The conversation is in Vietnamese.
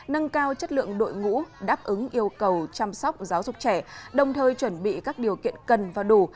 nâng cao chất lượng đội ngũ đáp ứng yêu cầu chăm sóc giáo dục trẻ đồng thời chuẩn bị các điều kiện cần và đủ